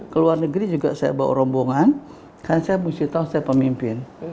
ke luar negeri juga saya bawa rombongan kan saya mesti tahu saya pemimpin